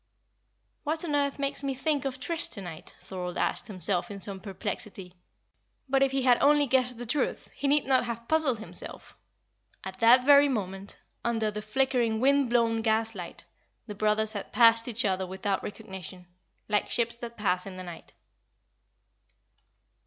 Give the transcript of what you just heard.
'' "What on earth makes me think of Trist to night?" Thorold asked himself, in some perplexity but if he had only guessed the truth, he need not have puzzled himself: at that very moment, under the flickering, wind blown gaslight, the brothers had passed each other without recognition, "like ships that pass in the night."